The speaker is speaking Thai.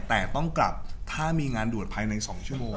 แต่ต้องกลับถ้ามีงานด่วนภายใน๒ชั่วโมง